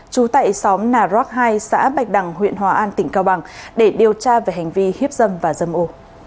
trú tại xóm nà róc hai xã bạch đằng huyện hòa an tỉnh cao bằng để điều tra về hành vi hiếp dâm và dâm ô